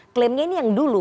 klaimnya ini yang dulu